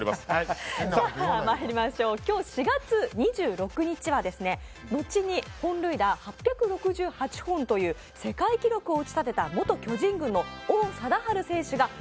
今日４月２６日は後に本塁打８６８本という世界記録を打ち立てた元巨人軍王